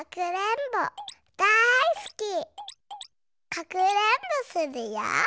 かくれんぼするよ。